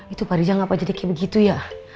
itu pak rija gak apa apa jadi kayak begitu ya